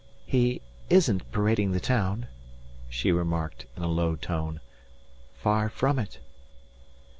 "He isn't parading the town," she remarked, in a low tone. "Far from it."